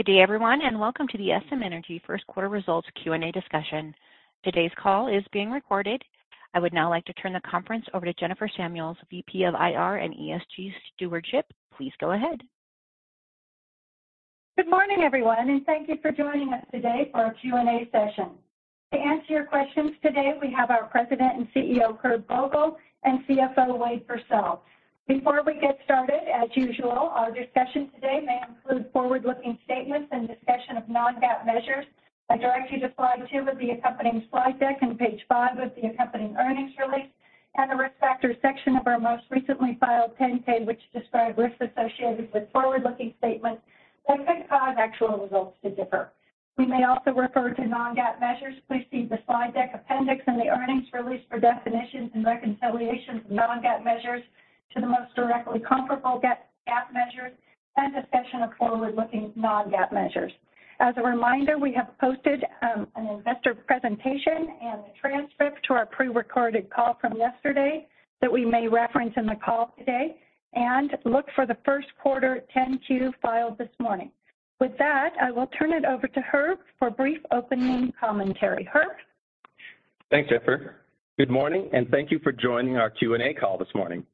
Good day, everyone, welcome to the SM Energy First Quarter Results Q&A Discussion. Today's call is being recorded. I would now like to turn the conference over to Jennifer Samuels, VP of IR and ESG Stewardship. Please go ahead. Good morning, everyone, thank you for joining us today for our Q&A session. To answer your questions today, we have our President and CEO, Herb Vogel, and CFO, Wade Pursell. Before we get started, as usual, our discussion today may include forward-looking statements and discussion of non-GAAP measures. I direct you to slide two of the accompanying slide deck and page five of the accompanying earnings release, and the Risk Factors section of our most recently filed 10-K, which describe risks associated with forward-looking statements that could cause actual results to differ. We may also refer to non-GAAP measures. Please see the slide deck appendix and the earnings release for definitions and reconciliations of non-GAAP measures to the most directly comparable GAAP measures and discussion of forward-looking non-GAAP measures. As a reminder, we have posted an investor presentation and transcript to our prerecorded call from yesterday that we may reference in the call today, and look for the first quarter 10-Q filed this morning. With that, I will turn it over to Herb for a brief opening commentary. Herb? Thanks, Jennifer. Good morning, and thank you for joining our Q&A call this morning.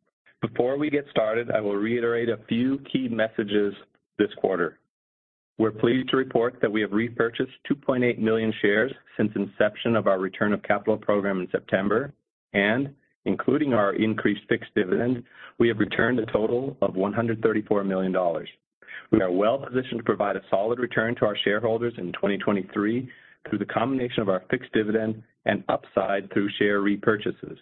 Before we get started, I will reiterate a few key messages this quarter. We're pleased to report that we have repurchased 2.8 million shares since inception of our return of capital program in September, and including our increased fixed dividend, we have returned a total of $134 million. We are well-positioned to provide a solid return to our shareholders in 2023 through the combination of our fixed dividend and upside through share repurchases.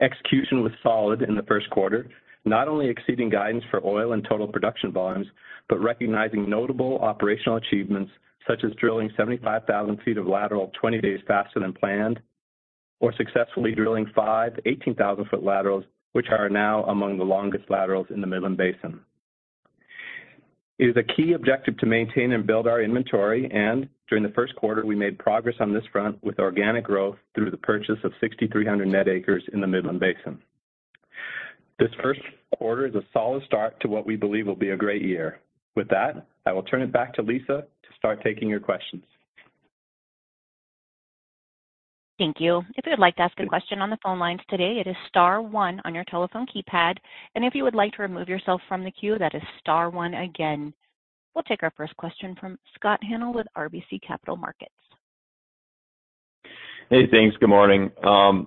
Execution was solid in the first quarter, not only exceeding guidance for oil and total production volumes, but recognizing notable operational achievements such as drilling 75,000 feet of lateral 20 days faster than planned or successfully drilling five 18,000-foot laterals, which are now among the longest laterals in the Midland Basin. It is a key objective to maintain and build our inventory, and during the first quarter, we made progress on this front with organic growth through the purchase of 6,300 net acres in the Midland Basin. This first quarter is a solid start to what we believe will be a great year. With that, I will turn it back to Lisa to start taking your questions. Thank you. We'll take our first question from Scott Hanold with RBC Capital Markets. Thanks. Good morning.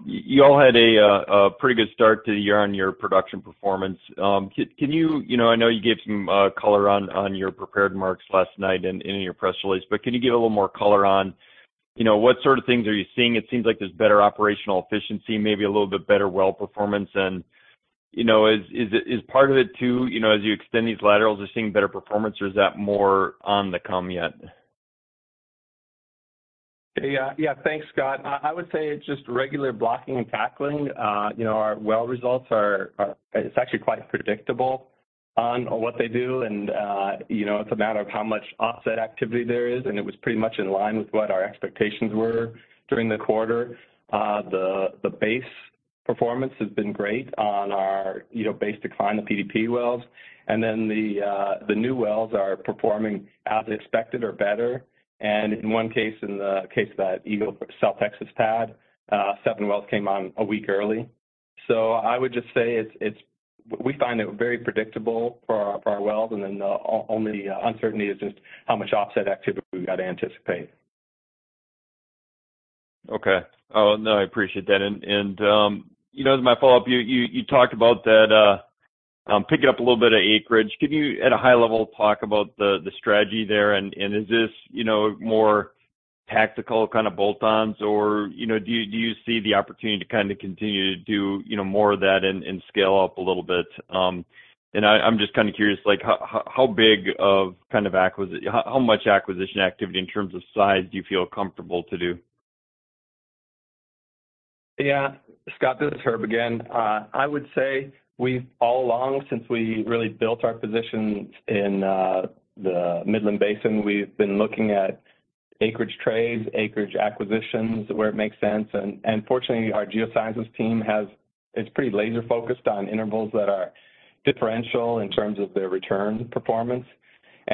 You all had a pretty good start to the year on your production performance. Can you You know, I know you gave some color on your prepared remarks last night and in your press release. Can you give a little more color on, you know, what sort of things are you seeing? It seems like there's better operational efficiency, maybe a little bit better well performance and, you know, is part of it too, you know, as you extend these laterals, are you seeing better performance or is that more on to come yet? Yeah. Yeah. Thanks, Scott. I would say it's just regular blocking and tackling. you know, our well results are actually quite predictable on what they do. you know, it's a matter of how much offset activity there is, and it was pretty much in line with what our expectations were during the quarter. The base performance has been great on our, you know, base decline of PDP wells. The new wells are performing as expected or better. In one case, in the case that Eagle Ford had seven wells came on a week early. I would just say we find it very predictable for our, for our wells, and then the only uncertainty is just how much offset activity we've got to anticipate. Okay. Oh, no, I appreciate that. And, you know, as my follow-up, you talked about that picking up a little bit of acreage. Can you at a high level talk about the strategy there? Is this, you know, more tactical kind of bolt-ons or, you know, do you see the opportunity to kind of continue to do, you know, more of that and scale up a little bit? I'm just kind of curious, like, how much acquisition activity in terms of size do you feel comfortable to do? Scott, this is Herb again. I would say we've all along since we really built our positions in the Midland Basin, we've been looking at acreage trades, acreage acquisitions where it makes sense. Fortunately, our geosciences team, it's pretty laser-focused on intervals that are differential in terms of their return performance.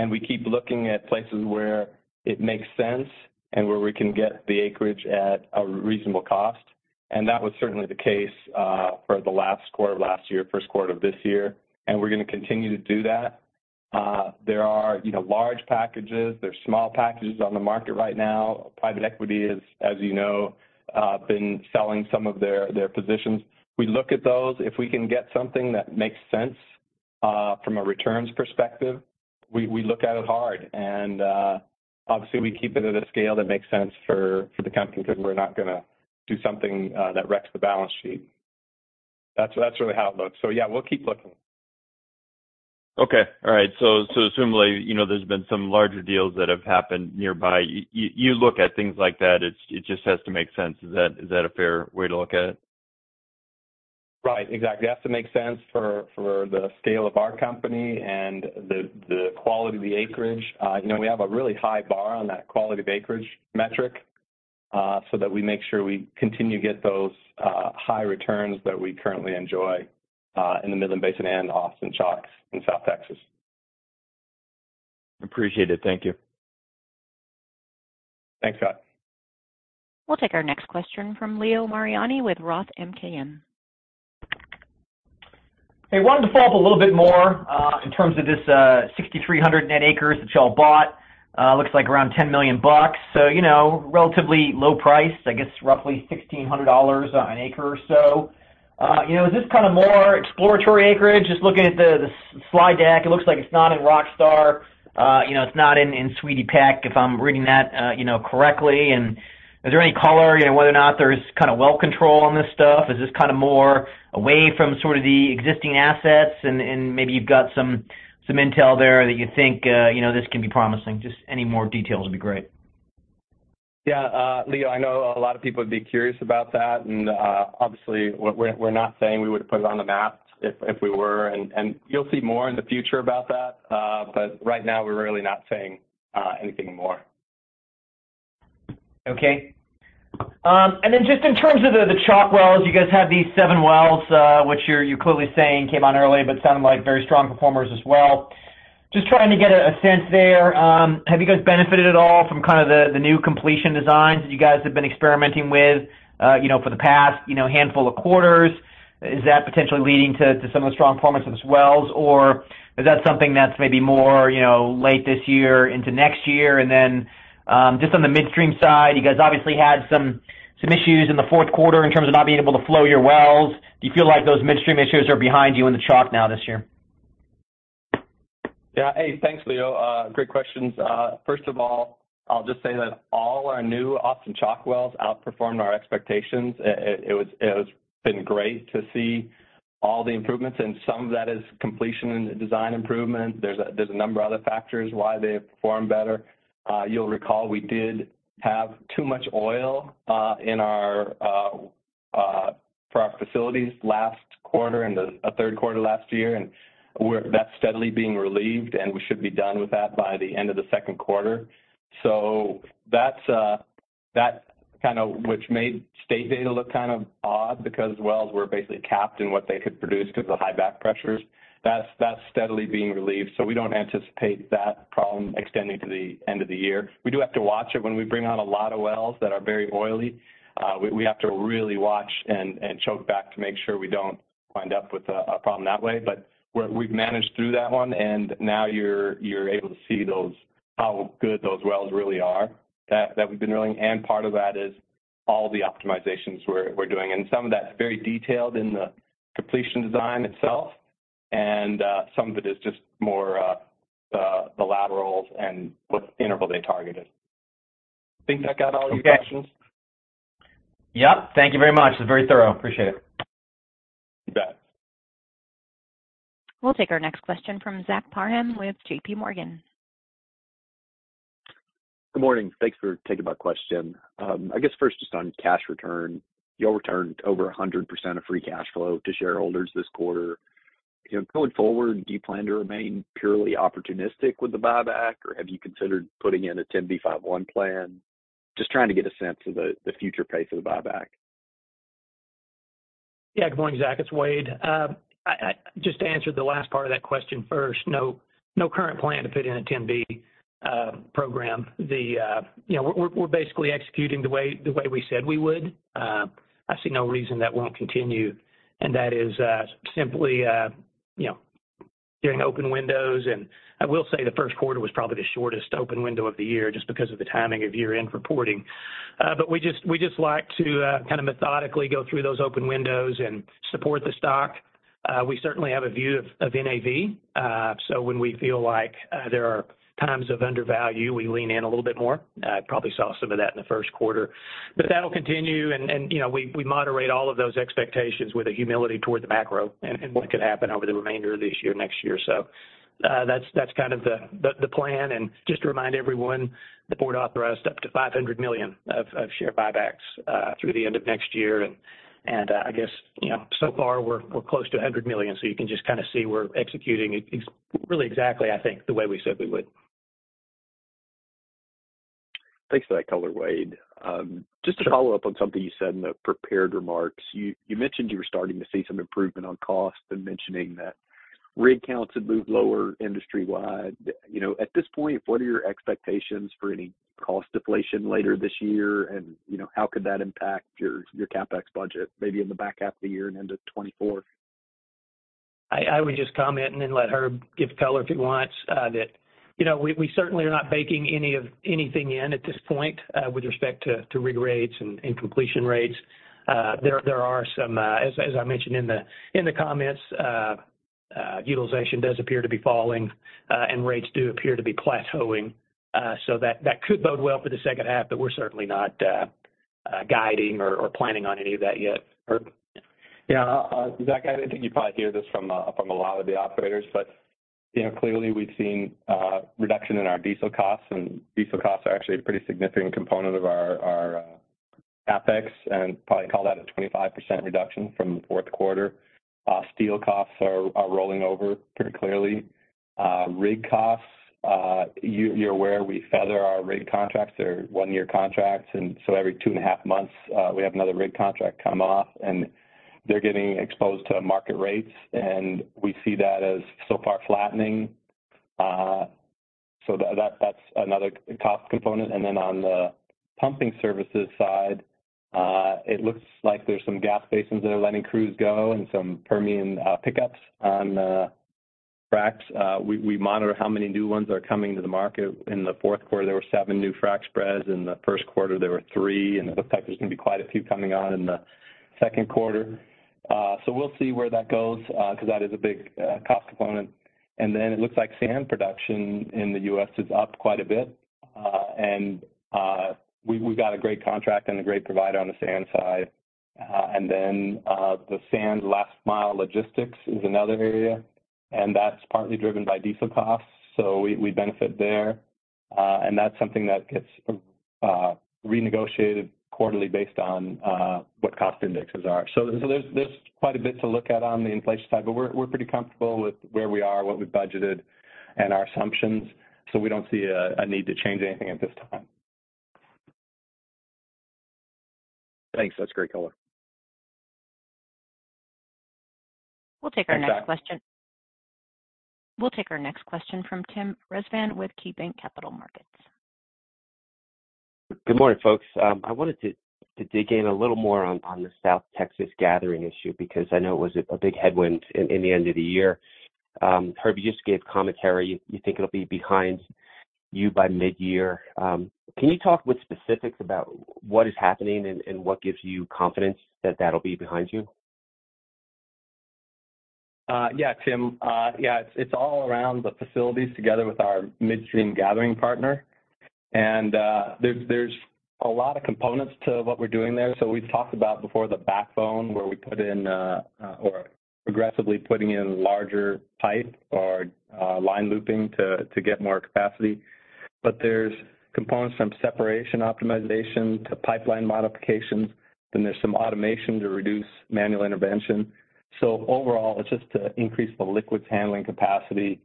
We keep looking at places where it makes sense and where we can get the acreage at a reasonable cost. That was certainly the case for the last quarter of last year, first quarter of this year, and we're gonna continue to do that. There are, you know, large packages, there's small packages on the market right now. Private equity is, as you know, been selling some of their positions. We look at those. If we can get something that makes sense from a returns perspective, we look at it hard. Obviously, we keep it at a scale that makes sense for the company because we're not gonna do something that wrecks the balance sheet. That's really how it looks. Yeah, we'll keep looking. Okay. All right. Assumeably, you know, there's been some larger deals that have happened nearby. You look at things like that. It just has to make sense. Is that a fair way to look at it? Right. Exactly. It has to make sense for the scale of our company and the quality of the acreage. you know, we have a really high bar on that quality of acreage metric. That we make sure we continue to get those high returns that we currently enjoy in the Midland Basin and Austin Chalk in South Texas. Appreciate it. Thank you. Thanks, Scott. We'll take our next question from Leo Mariani with Roth MKM. Hey, wanted to follow up a little bit more in terms of this 6,300 net acres that y'all bought. Looks like around $10 million. You know, relatively low price, I guess roughly $1,600 on an acre or so. You know, is this kind of more exploratory acreage? Just looking at the slide deck, it looks like it's not in Rock Star. You know, it's not in Sweetie Pack, if I'm reading that, you know, correctly. And is there any color, you know, whether or not there's kinda well control on this stuff? Is this kinda more away from sort of the existing assets and maybe you've got some intel there that you think, you know, this can be promising? Just any more details would be great. Yeah. Leo, I know a lot of people would be curious about that, and, obviously we're not saying we would have put it on the map if we were. You'll see more in the future about that. Right now we're really not saying anything more. Okay. Just in terms of the Chalk wells, you guys have these seven wells, which you're clearly saying came on early but sounded like very strong performers as well. Just trying to get a sense there. Have you guys benefited at all from kind of the new completion designs that you guys have been experimenting with, you know, for the past, you know, handful of quarters? Is that potentially leading to some of the strong performance of these wells? Is that something that's maybe more, you know, late this year into next year? Just on the midstream side, you guys obviously had some issues in the fourth quarter in terms of not being able to flow your wells. Do you feel like those midstream issues are behind you in the Chalk now this year? Yeah, hey, thanks, Leo. Great questions. First of all, I'll just say that all our new Austin Chalk wells outperformed our expectations. It has been great to see all the improvements, and some of that is completion in the design improvements. There's a number of other factors why they have performed better. You'll recall we did have too much oil in our for our facilities last quarter and the third quarter last year, and that's steadily being relieved, and we should be done with that by the end of the second quarter. That's that kind of which made state data look kind of odd because wells were basically capped in what they could produce because of the high back pressures. That's steadily being relieved. We don't anticipate that problem extending to the end of the year. We do have to watch it. When we bring on a lot of wells that are very oily, we have to really watch and choke back to make sure we don't wind up with a problem that way. We've managed through that one, and now you're able to see those, how good those wells really are that we've been drilling. Part of that is all the optimizations we're doing. Some of that's very detailed in the completion design itself, and some of it is just more the laterals and what interval they targeted. Think that got all your questions? Okay. Yep. Thank you very much. This is very thorough. Appreciate it. You bet. We'll take our next question from Zach Parham with JPMorgan. Good morning. Thanks for taking my question. I guess first just on cash return. Y'all returned over 100% of free cash flow to shareholders this quarter. You know, going forward, do you plan to remain purely opportunistic with the buyback, or have you considered putting in a 10b5-1 plan? Just trying to get a sense of the future pace of the buyback. Yeah. Good morning, Zach, it's Wade. I, just to answer the last part of that question first, no current plan to put in a 10b5-1 program. You know, we're basically executing the way we said we would. I see no reason that won't continue, and that is simply, you know, doing open windows. I will say the first quarter was probably the shortest open window of the year just because of the timing of year-end reporting. We just like to kind of methodically go through those open windows and support the stock. We certainly have a view of NAV. When we feel like there are times of undervalue, we lean in a little bit more. Probably saw some of that in the first quarter. That'll continue and, you know, we moderate all of those expectations with humility toward the macro and what could happen over the remainder of this year, next year. That's, that's kind of the plan. Just to remind everyone, the board authorized up to $500 million of share buybacks through the end of next year. I guess, you know, so far we're close to $100 million, so you can just kinda see we're executing really exactly, I think, the way we said we would. Thanks for that color, Wade. Sure. Just to follow up on something you said in the prepared remarks. You mentioned you were starting to see some improvement on cost and mentioning that rig counts had moved lower industry-wide. You know, at this point, what are your expectations for any cost deflation later this year? You know, how could that impact your CapEx budget maybe in the back half of the year and into 2024? I would just comment and then let Herb give color if he wants. That, you know, we certainly are not baking any of anything in at this point, with respect to rig rates and completion rates. There are some, as I mentioned in the comments, utilization does appear to be falling, and rates do appear to be plateauing. That could bode well for the second half, but we're certainly not guiding or planning on any of that yet. Herb? Yeah. Zach, I think you probably hear this from a lot of the operators, but, you know, clearly we've seen a reduction in our diesel costs, and diesel costs are actually a pretty significant component of our CapEx and probably call that a 25% reduction from the fourth quarter. Steel costs are rolling over pretty clearly. Rig costs, you're aware we feather our rig contracts. They're one-year contracts and so every two and a half months, we have another rig contract come off, and they're getting exposed to market rates. And we see that as so far flattening. So that's another cost component. And then on the pumping services side, it looks like there's some gas basins that are letting crews go and some Permian pickups on fracs. We monitor how many new ones are coming to the market. In the fourth quarter there were seven new frac spreads, in the first quarter there were three, it looks like there's gonna be quite a few coming on in the second quarter. We'll see where that goes, cause that is a big cost component. It looks like sand production in the U.S. is up quite a bit. We've got a great contract and a great provider on the sand side. The sand last mile logistics is another area, that's partly driven by diesel costs, we benefit there. That's something that gets renegotiated quarterly based on what cost indexes are. There's quite a bit to look at on the inflation side, but we're pretty comfortable with where we are, what we've budgeted, and our assumptions, so we don't see a need to change anything at this time. Thanks. That's great color. We'll take our next question from Tim Rezvan with KeyBanc Capital Markets. Good morning, folks. I wanted to dig in a little more on the South Texas gathering issue because I know it was a big headwind in the end of the year. Herb, you just gave commentary. You think it'll be behind you by midyear. Can you talk with specifics about what is happening and what gives you confidence that that'll be behind you? Yeah, Tim. Yeah, it's all around the facilities together with our midstream gathering partner. There's a lot of components to what we're doing there. We've talked about before the backbone where we put in or progressively putting in larger pipe or line looping to get more capacity. There's components from separation optimization to pipeline modifications. There's some automation to reduce manual intervention. Overall it's just to increase the liquids handling capacity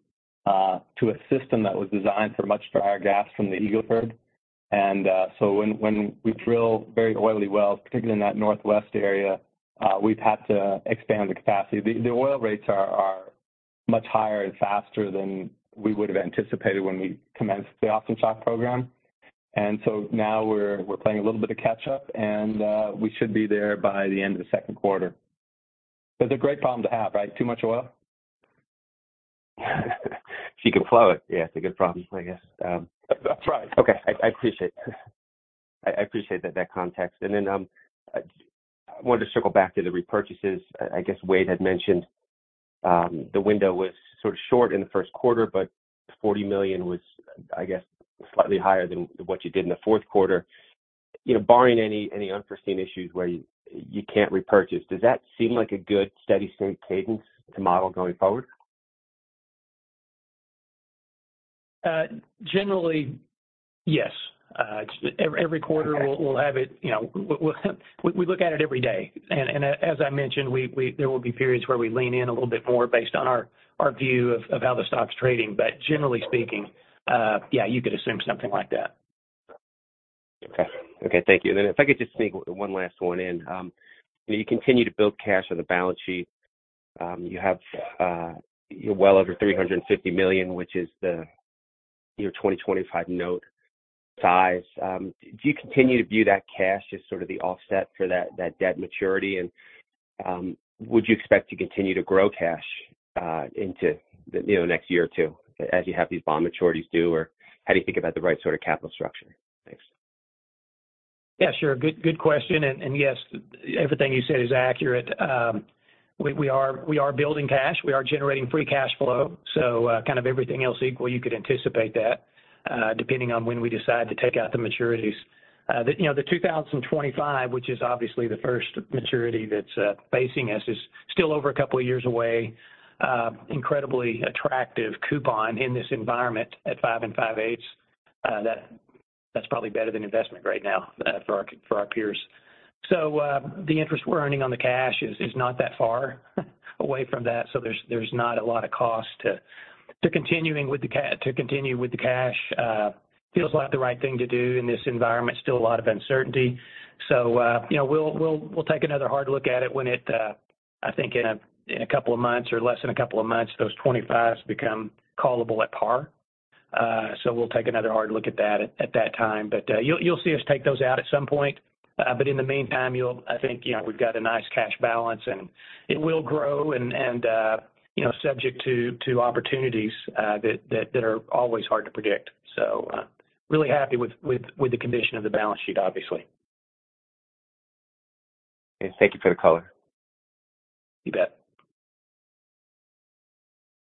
to a system that was designed for much drier gas from the Eagle Ford. When we drill very oily wells, particularly in that northwest area, we've had to expand the capacity. The oil rates are much higher and faster than we would've anticipated when we commenced the offset and shock program. Now we're playing a little bit of catch up and we should be there by the end of the second quarter. It's a great problem to have, right? Too much oil. If you can flow it, yeah, it's a good problem, I guess. That's right. Okay. I appreciate that context. I wanted to circle back to the repurchases. I guess Wade had mentioned, the window was sort of short in the first quarter, but $40 million was, I guess, slightly higher than what you did in the fourth quarter. You know, barring any unforeseen issues where you can't repurchase, does that seem like a good steady state cadence to model going forward? Generally, yes. Every quarter- Okay. We'll have it. You know, we look at it every day. As I mentioned, there will be periods where we lean in a little bit more based on our view of how the stock's trading. Generally speaking, yeah, you could assume something like that. Okay. Okay. Thank you. If I could just sneak one last one in. you know, you continue to build cash on the balance sheet. you have, you're well over $350 million, which is the, you know, 2025 note size. Do you continue to view that cash as sort of the offset for that debt maturity? Would you expect to continue to grow cash into the, you know, next year or two as you have these bond maturities due? How do you think about the right sort of capital structure? Thanks. Yeah, sure. Good question. Yes, everything you said is accurate. We are building cash. We are generating free cash flow, so, kind of everything else equal, you could anticipate that, depending on when we decide to take out the maturities. The, you know, the 2025, which is obviously the first maturity that's facing us, is still over a couple of years away. Incredibly attractive coupon in this environment at five, and 5/8. That's probably better than investment right now, for our peers. The interest we're earning on the cash is not that far away from that, so there's not a lot of cost to continuing with the cash. Feels like the right thing to do in this environment. Still a lot of uncertainty. You know, we'll take another hard look at it when it, I think in two months or less than two months, those 25s become callable at par. We'll take another hard look at that at that time. You'll see us take those out at some point. In the meantime, I think, you know, we've got a nice cash balance and it will grow and, you know, subject to opportunities that are always hard to predict. Really happy with the condition of the balance sheet, obviously. Okay. Thank you for the color. You bet.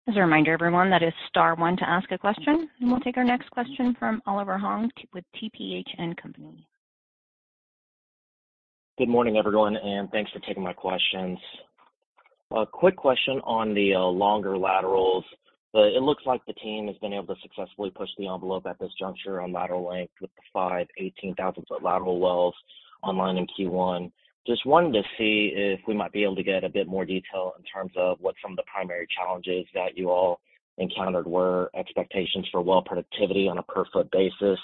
As a reminder everyone, that is star one to ask a question, and we'll take our next question from Oliver Huang with TPH. Good morning, everyone, and thanks for taking my questions. A quick question on the longer laterals. It looks like the team has been able to successfully push the envelope at this juncture on lateral length with the five 18,000 foot lateral wells online in Q1. Just wanted to see if we might be able to get a bit more detail in terms of what some of the primary challenges that you all encountered were, expectations for well productivity on a per foot basis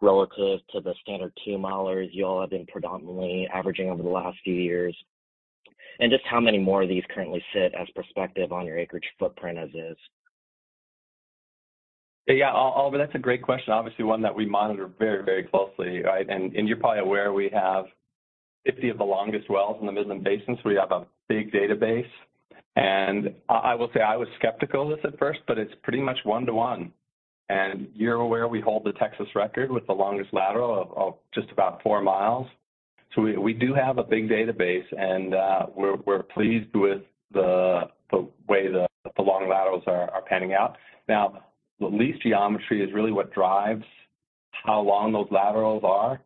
relative to the standard two milers you all have been predominantly averaging over the last few years, and just how many more of these currently sit as prospective on your acreage footprint as is? Yeah. Oliver, that's a great question. Obviously, one that we monitor very, very closely, right? You're probably aware we have 50 of the longest wells in the Midland Basin, so we have a big database. I will say I was skeptical of this at first, but it's pretty much one to one. You're aware we hold the Texas record with the longest lateral of just about four miles. We do have a big database, we're pleased with the way the long laterals are panning out. Now, the lease geometry is really what drives how long those laterals are.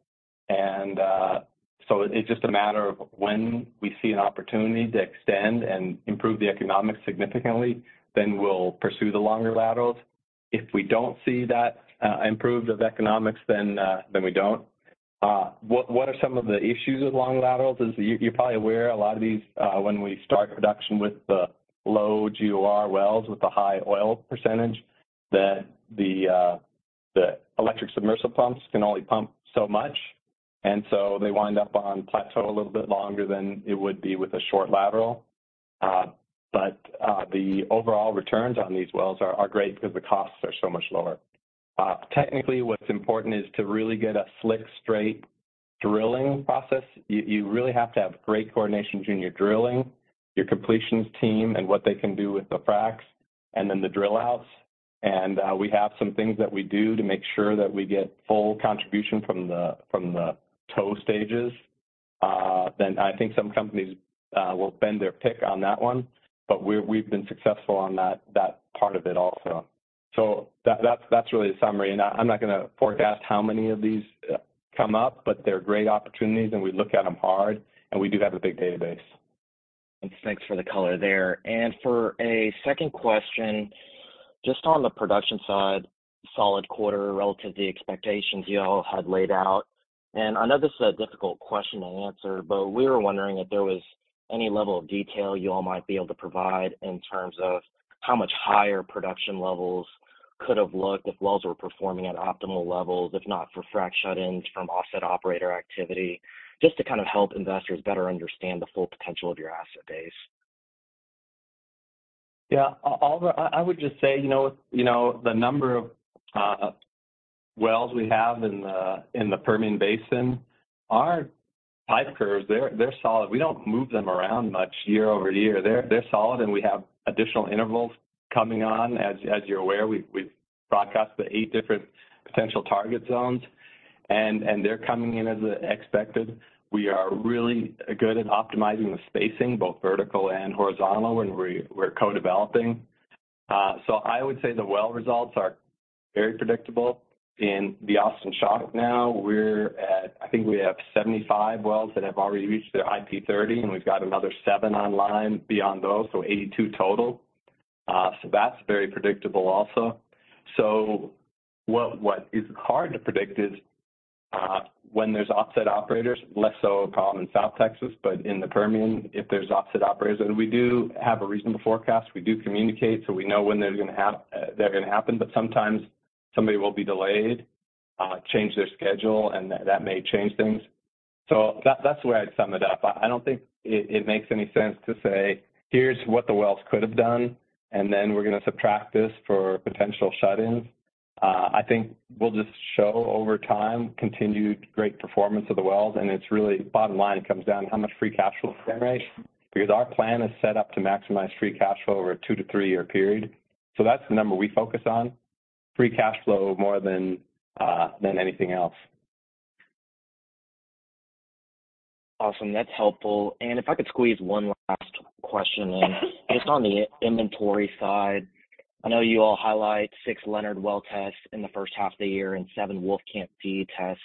It's just a matter of when we see an opportunity to extend and improve the economics significantly, then we'll pursue the longer laterals. If we don't see that improved of economics, then we don't. What are some of the issues with long laterals is you're probably aware a lot of these, when we start production with the low GOR wells with the high oil percentage that the electric submersible pumps can only pump so much, and so they wind up on plateau a little bit longer than it would be with a short lateral. The overall returns on these wells are great because the costs are so much lower. Technically what's important is to really get a slick straight drilling process. You really have to have great coordination between your drilling, your completions team, and what they can do with the fracs, and then the drill outs. We have some things that we do to make sure that we get full contribution from the toe stages. I think some companies will bend their pick on that one, but we've been successful on that part of it also. That's really a summary. I'm not gonna forecast how many of these come up, but they're great opportunities and we look at them hard, and we do have a big database. Thanks for the color there. For a second question, just on the production side, solid quarter relative to the expectations you all had laid out. I know this is a difficult question to answer, but we were wondering if there was any level of detail you all might be able to provide in terms of how much higher production levels could have looked if wells were performing at optimal levels, if not for frac shut-ins from offset operator activity, just to kind of help investors better understand the full potential of your asset base. Yeah. Oliver, I would just say, you know, you know, the number of wells we have in the Permian Basin, our type curves, they're solid. We don't move them around much year-over-year. They're solid and we have additional intervals coming on. As you're aware, we've broadcast the eight different potential target zones, and they're coming in as expected. We are really good at optimizing the spacing, both vertical and horizontal when we're co-developing. I would say the well results are very predictable. In the Austin Chalk now we have 75 wells that have already reached their IP30, and we've got another seven online beyond those, 82 total. That's very predictable also. What is hard to predict is, when there's offset operators, less so a problem in South Texas, but in the Permian, if there's offset operators. We do have a reasonable forecast, we do communicate, we know when they're gonna happen, but sometimes somebody will be delayed, change their schedule, and that may change things. That's the way I'd sum it up. I don't think it makes any sense to say, "Here's what the wells could have done, and then we're gonna subtract this for potential shut-ins." I think we'll just show over time continued great performance of the wells, and it's really bottom line comes down to how much free cash flow is generated because our plan is set up to maximize free cash flow over a two to three-year period. That's the number we focus on, free cash flow more than anything else. Awesome. That's helpful. If I could squeeze one last question in? Sure. Based on the inventory side, I know you all highlight six Leonard well tests in the first half of the year and seven Wolfcamp D tests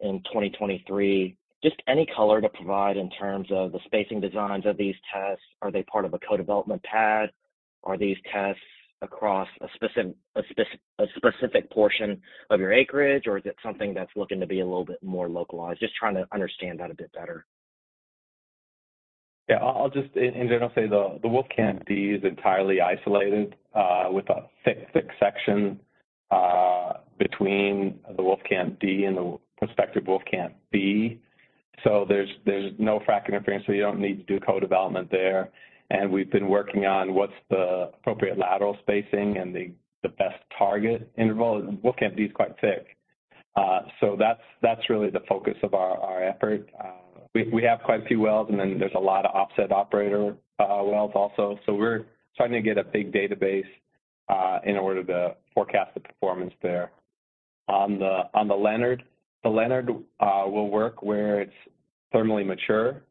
in 2023. Just any color to provide in terms of the spacing designs of these tests. Are they part of a co-development pad? Are these tests across a specific portion of your acreage, or is it something that's looking to be a little bit more localized? Just trying to understand that a bit better. Yeah. I'll just in general say the Wolfcamp D is entirely isolated with a thick section between the Wolfcamp D and the prospective Wolfcamp B. There's no frac interference, so you don't need to do co-development there. We've been working on what's the appropriate lateral spacing and the best target interval. Wolfcamp D is quite thick. That's really the focus of our effort. We have quite a few wells, and then there's a lot of offset operator wells also. We're starting to get a big database in order to forecast the performance there. On the Leonard, the Leonard will work where it's thermally mature.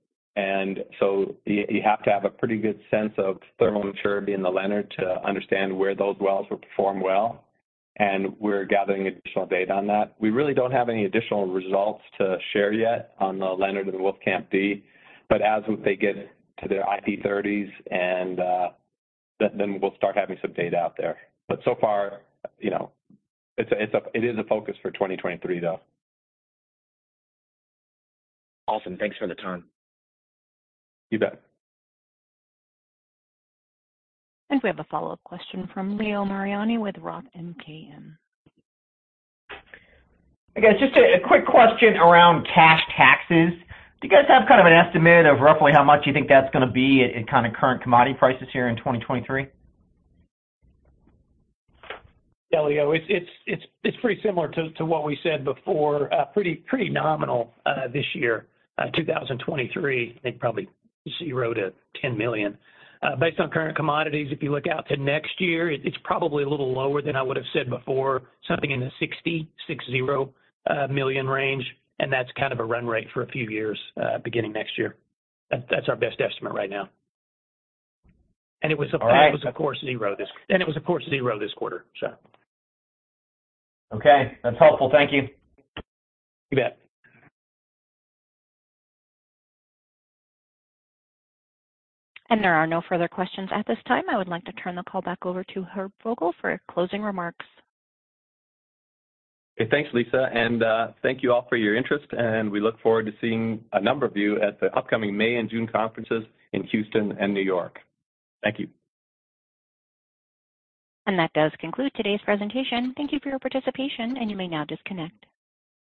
So you have to have a pretty good sense of thermal maturity in the Leonard to understand where those wells will perform well. We're gathering additional data on that. We really don't have any additional results to share yet on the Leonard and the Wolfcamp D. As they get to their IP30s and then we'll start having some data out there. So far, you know, it's a, it is a focus for 2023 though. Awesome. Thanks for the time. You bet. I think we have a follow-up question from Leo Mariani with Roth MKM. Hey, guys. Just a quick question around cash taxes. Do you guys have kind of an estimate of roughly how much you think that's gonna be at kind of current commodity prices here in 2023? Yeah, Leo. It's pretty similar to what we said before. Pretty nominal, this year, 2023. I think probably $0-$10 million. Based on current commodities, if you look out to next year, it's probably a little lower than I would have said before. Something in the $60 million range, and that's kind of a run rate for a few years, beginning next year. That's our best estimate right now. All right. It was, of course, zero this quarter, so. Okay. That's helpful. Thank you. You bet. There are no further questions at this time. I would like to turn the call back over to Herb Vogel for closing remarks. Okay, thanks, Lisa. Thank you all for your interest, and we look forward to seeing a number of you at the upcoming May and June conferences in Houston and New York. Thank you. That does conclude today's presentation. Thank you for your participation, and you may now disconnect.